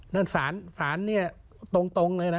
นั่นสารสารตรงเลยนะ